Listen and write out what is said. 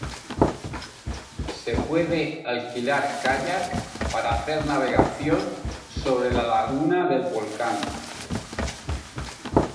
Se puede alquilar kayak para hacer navegación sobre la laguna del volcán.